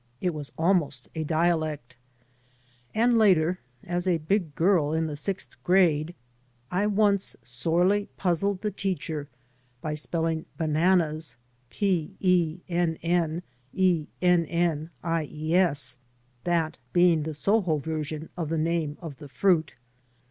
It was almost a dialect, and later as a big girl in the sixth grade I once sorely puzzled the teacher by spelling bana nas " pennennies," that being the Soho version of the name of the fruit.